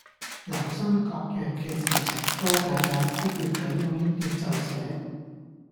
留心各樣嘅事情，多睇睇，不要睇到一點就寫